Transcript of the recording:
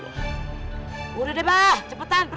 gua ngumpet disini